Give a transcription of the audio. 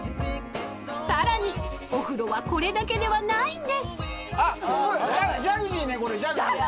［さらにお風呂はこれだけではないんです］